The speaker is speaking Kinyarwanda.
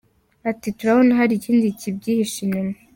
Ati “Turabona hari ikindi kibyihishe inyuma.